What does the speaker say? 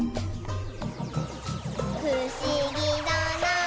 「ふしぎだなぁ」